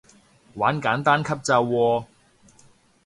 玩簡單級咋喎